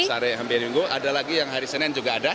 sampai minggu ada lagi yang hari senin juga ada